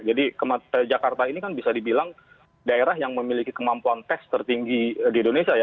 jadi jakarta ini kan bisa dibilang daerah yang memiliki kemampuan tes tertinggi di indonesia ya